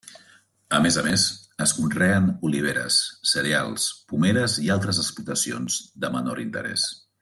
A més a més, es conreen oliveres, cereals, pomeres i altres explotacions de menor interès.